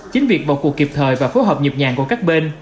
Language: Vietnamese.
chính việc vào cuộc kịp thời và phối hợp nhịp nhàng của các bên